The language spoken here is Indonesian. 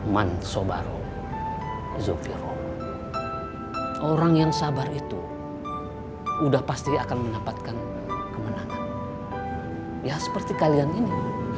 orang yang sabar itu udah pasti akan mendapatkan kemenangan ya seperti kalian ini